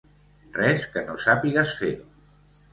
Res que no sàpigues fer.